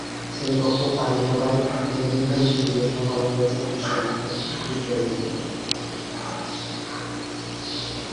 শ্রেণিকক্ষে পানি ঢোকায় তিন দিন ধরে ছুটি ঘোষণা করা হয়েছে বিদ্যালয়টিতে।